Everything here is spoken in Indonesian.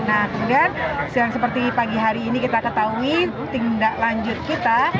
nah kemudian yang seperti pagi hari ini kita ketahui tindak lanjut kita